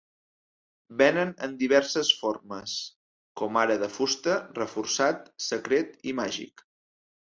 Venen en diverses formes, com ara de fusta, reforçat, secret i màgic.